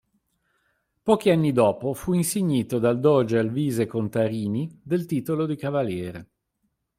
Pochi anni dopo fu insignito dal doge Alvise Contarini del titolo di cavaliere.